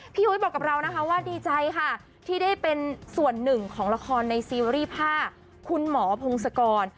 ยุ้ยบอกกับเรานะคะว่าดีใจค่ะที่ได้เป็นส่วนหนึ่งของละครในซีรีส์ผ้าคุณหมอพงศกร